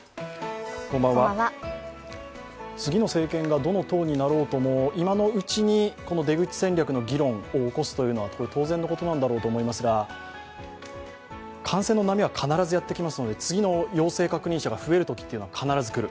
次の政権がどの党になろうとも今のうちに出口戦略の議論を起こすというのは当然のことなんだろうと思いますが感染の波は必ずやってきますので次の陽性確認者が増えるときは必ず来る。